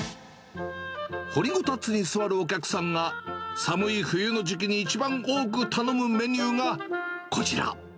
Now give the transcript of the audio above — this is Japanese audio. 掘りごたつに座るお客さんが、寒い冬の時期に一番多く頼むメニューがこちら。